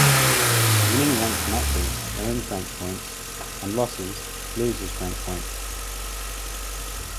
Winning Ranked matches earns Rank Points and losses loses Rank Points.